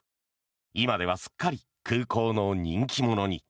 今ではすっかり空港の人気者に。